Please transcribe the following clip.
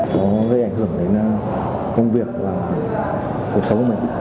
cũng gây ảnh hưởng đến công việc và cuộc sống của mình